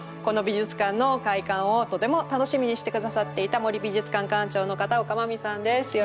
この美術館の開館をとても楽しみにして下さっていた森美術館館長の片岡真実さんです。